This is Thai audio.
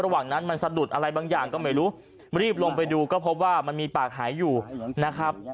ระหว่างนั้นมันสะดุดอะไรบางอย่างก็ไม่รู้รีบลงไปดูก็พบว่ามันมีปากหายอยู่นะครับ